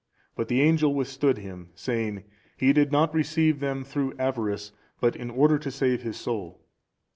But the angel withstood him, saying, "He did not receive them through avarice, but in order to save his soul."